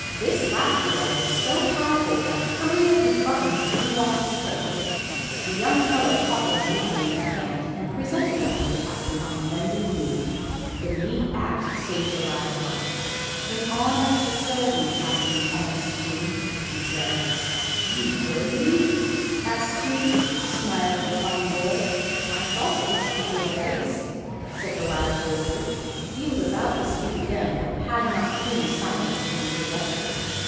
This last yell was so powerful that three of his buttons flew off his coat. The young fellow caught them neatly in his left hand, and presented them to the Captain on bended knee. The neat act saved the lad's life. "An honour to serve you, Captain Thomas Tomb," said he. "You know me?" asked Tomb, smiling upon the boy. "I thought it must be your face," said the lad boldly. He was about to speak again, had not Tomb silenced him with a gesture.